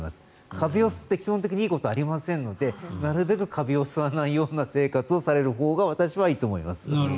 カビを吸って、基本的にいいことはありませんのでなるべくカビを吸わないような生活をされるほうが私はいいと思います。